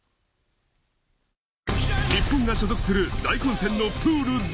日本が所属する大混戦のプールＤ。